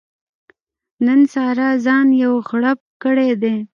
نن سارا ځان یو غړوپ کړی دی.